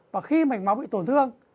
và khi mạch máu bị tổn thương